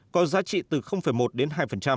có giá trị từ một đến hai